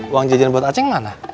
uang jajan buat aceh mana